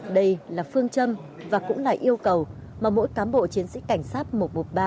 đây là phương châm và cũng là yêu cầu mà mỗi cán bộ chiến sĩ cảnh sát một trăm một mươi ba